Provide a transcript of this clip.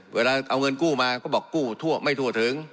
เวลาเอาเงินกู้มาก็บอกกู้ทั่วไม่ทั่วถึง